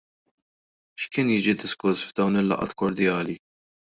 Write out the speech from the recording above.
X'kien jiġi diskuss f'dawn il-laqgħat kordjali?